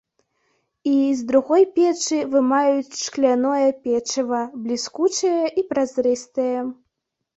І з другой печы вымаюць шкляное печыва, бліскучае і празрыстае.